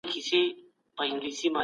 مشرانو به د رایې ورکولو حق تضمین کړی وي.